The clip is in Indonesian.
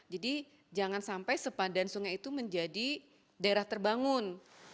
jadi jangan sampai sepadan sungai itu menjadi daerah terbangun